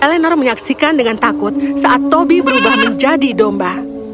eleanor menyaksikan dengan takut saat toby berubah menjadi domba